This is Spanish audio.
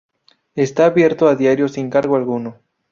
Está abierto a diario sin cargo alguno.